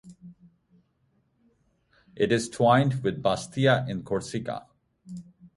It is twinned with Bastia in Corsica.